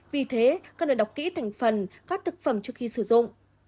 vì thế cần phải đọc kỹ thành phần các thực phẩm trước khi sử dụng